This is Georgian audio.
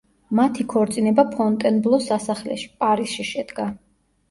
მათი ქორწინება ფონტენბლოს სასახლეში, პარიზში შედგა.